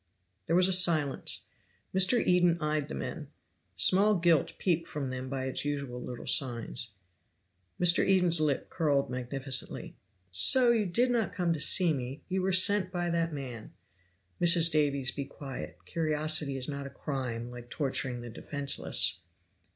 There was a silence; Mr. Eden eyed the men. Small guilt peeped from them by its usual little signs. Mr. Eden's lip curled magnificently. "So you did not come to see me you were sent by that man. (Mrs. Davies, be quiet; curiosity is not a crime, like torturing the defenseless.)